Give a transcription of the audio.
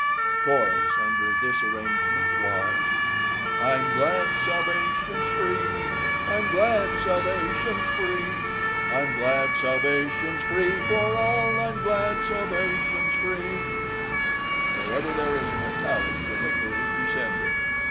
The chorus under this arrangement was: I'm glad salvation's free, I'm glad salvation's free, I'm glad salvation's free for all, I'm glad salvation's free. Wherever there is an italic, the hickory descended.